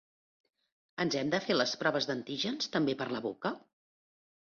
Ens hem de fer les proves d’antígens també per la boca?